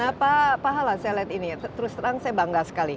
nah pak pahala saya lihat ini terus terang saya bangga sekali